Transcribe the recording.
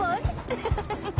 ウフフフフ。